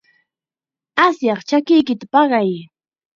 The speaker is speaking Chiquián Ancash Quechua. Asyaq chakiyki paqay.